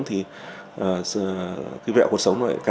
thì vẹo cuộc sống nó sẽ càng lớn